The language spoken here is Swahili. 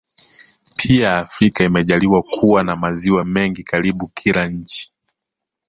Pia Afrika imejaliwa kuwa na maziwa mengi karibu kila nchi